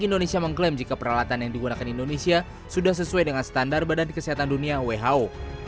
dan indonesia mengklaim jika peralatan yang digunakan indonesia sudah sesuai dengan standar badan kesehatan dunia who